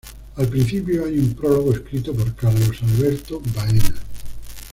Al principio hay un prólogo escrito por Carlos Alberto Baena.